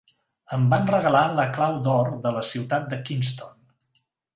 Em van regalar la clau d'or de la ciutat de Kingston.